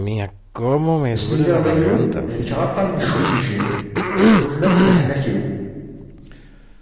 Ass mi lliɣ d agrud helkeɣ aṭan n "Cuff-mejjir", cuffen akk leḥnak-iw.